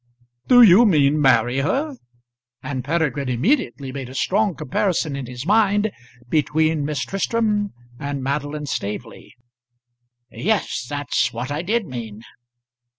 "Do you mean marry her?" and Peregrine immediately made a strong comparison in his mind between Miss Tristram and Madeline Staveley. "Yes; that's what I did mean."